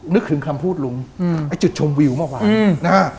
นึกถึงคำพูดลุงจุดชมวิวเมื่อวาน